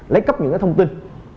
lấy cấp những cái thông tin